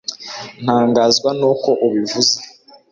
ntangazwa nuko ubivuze